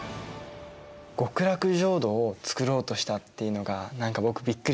極楽浄土を作ろうとしたっていうのが何か僕びっくりしたな。